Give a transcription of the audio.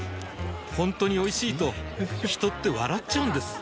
ほんとにおいしいと人って笑っちゃうんです